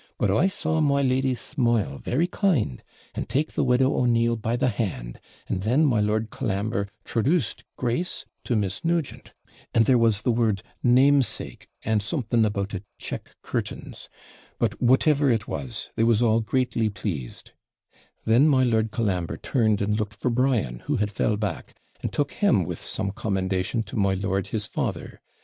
But I saw my lady smile very kind, and take the widow O'Neill by the hand, and then my Lord Colambre 'TRODUCED Grace to Miss Nugent, and there was the word NAMESAKE, and something about a check curtains; but, whatever It was, they was all greatly pleased; then my Lord Colambre turned and looked for Brian, who had fell back, and took him with some commendation to my lord his father.